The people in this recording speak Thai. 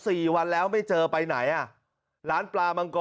อุ๊บ